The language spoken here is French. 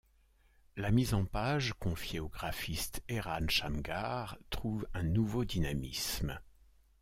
La mise en page, confiée au graphiste Eran Shamgar, trouve un nouveau dynamisme.